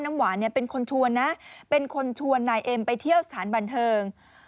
น้ำหวานเนี่ยเป็นคนชวนนะเป็นคนชวนนายเอ็มไปเที่ยวสถานบันเทิง